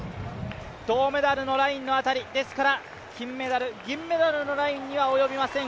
銅メダルのラインの辺りですから、金メダル、銀メダルのラインには及びません。